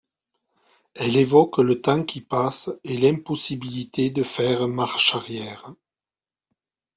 Elle évoque le temps qui passe et l'impossibilité de faire marche arrière.